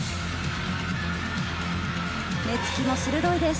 目つきも鋭いです